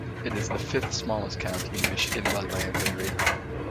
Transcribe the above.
It is the fifth-smallest county in Michigan by land area.